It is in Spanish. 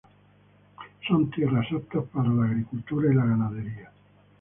Son tierras aptas para la agricultura y ganadería.